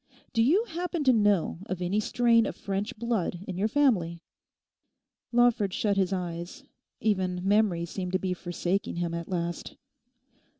Do you happen to know of any strain of French blood in your family?' Lawford shut his eyes, even memory seemed to be forsaking him at last.